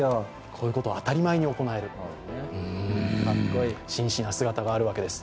こういうことを当たり前に行える、紳士な姿があるわけです。